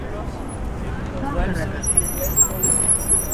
Саҡырығыҙ..